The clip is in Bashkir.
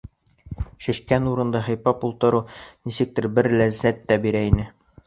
Шешкән урынды һыйпап ултырыу нисектер бер ләззәт тә бирә ине.